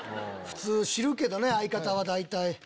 普通知るけどね相方は大体。